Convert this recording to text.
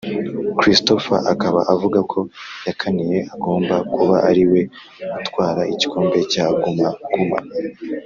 christopher akaba avuga ko yakaniye agomba kuba ariwe utwara igikombe cya guma guma